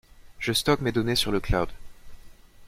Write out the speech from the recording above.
Je stocke mes données sur le cloud.